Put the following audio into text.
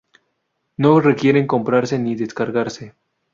No requiere comprarse ni descargarse.